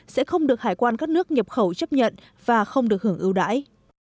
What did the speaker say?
sẽ không được hải quan các nước nhập khẩu chấp nhận và không được hưởng ưu đãi